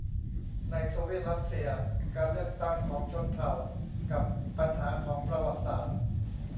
ในโซเวียตรัสเซีย : การเลือกตั้งของชนเผ่า กับ ปัญหาของประวัติศาสตร์